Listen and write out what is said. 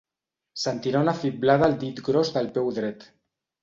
Sentirà una fiblada al dit gros del peu dret.